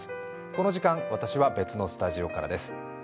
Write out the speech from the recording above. この時間、私は別のスタジオからです。